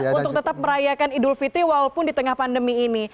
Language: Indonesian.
untuk tetap merayakan idul fitri walaupun di tengah pandemi ini